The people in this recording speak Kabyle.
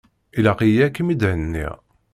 Ilaq-yi ad kem-id-henniɣ.